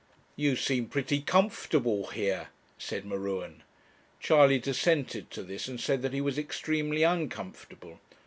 'You seem pretty comfortable here,' said M'Ruen. Charley dissented to this, and said that he was extremely uncomfortable.